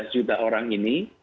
sebelas juta orang ini